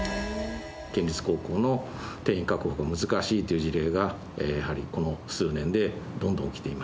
県立高校の定員確保が難しいという事例がやはりこの数年でどんどん起きています。